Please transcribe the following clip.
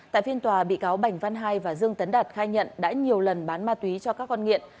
tại phiên tòa bị cáo bành văn hai và dương tấn đạt khai nhận đã nhiều lần bán ma túy cho các con nghiện